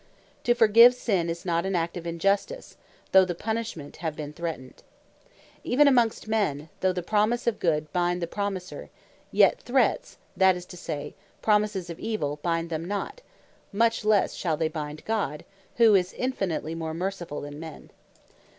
To forgive sin is not an act of Injustice, though the punishment have been threatned. Even amongst men, though the promise of Good, bind the promiser; yet threats, that is to say, promises, of Evill, bind them not; much lesse shall they bind God, who is infinitely more mercifull then men.